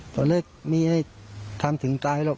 ตอนนี้มันไม่ได้ทำถึงจะตายหรอก